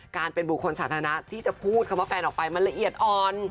การเป็นบุคคลสาธารณะที่จะพูดคำว่าแฟนออกไปมันละเอียดอ่อน